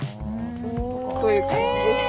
こういう感じです。